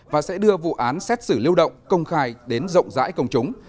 và sẽ đưa vụ án xét xử lưu động công khai đến rộng rãi công chúng